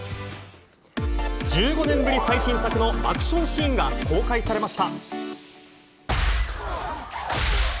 １５年ぶり最新作のアクションシーンが公開されました。